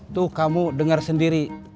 tuh kamu dengar sendiri